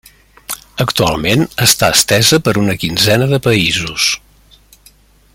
Actualment, està estesa per una quinzena de països.